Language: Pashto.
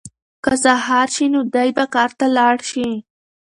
که سهار شي نو دی به کار ته لاړ شي.